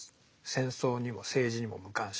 戦争にも政治にも無関心。